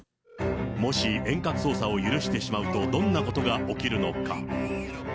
もし遠隔操作を許してしまうと、どんなことが起きるのか。